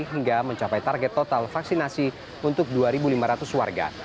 hingga mencapai target total vaksinasi untuk dua lima ratus warga